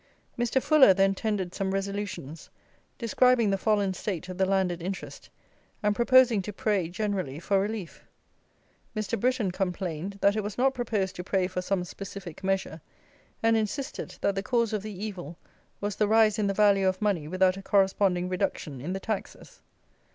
Mr. Fuller then tendered some Resolutions, describing the fallen state of the landed interest, and proposing to pray, generally, for relief. Mr. Britton complained, that it was not proposed to pray for some specific measure, and insisted, that the cause of the evil was the rise in the value of money without a corresponding reduction in the taxes.